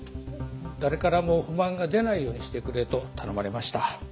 誰からも不満が出ないようにしてくれと頼まれました。